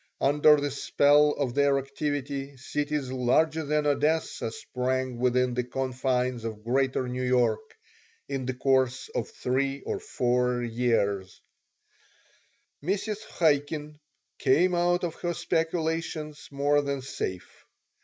Under the spell of their activity cities larger than Odessa sprang up within the confines of Greater New York in the course of three or four years Mrs. Chaikin came out of her speculations more than safe.